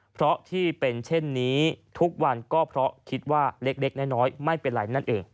เพราะที่เป็นเช่นนี้ทุกวันก็เพราะคิดว่าเล็กน้อยไม่เป็นไรนั่นเอง